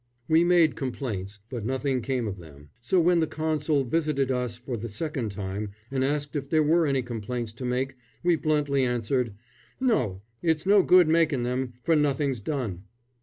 We made complaints, but nothing came of them, so when the Consul visited us for the second time and asked if there were any complaints to make, we bluntly answered, "No, it's no good making them, for nothing's done."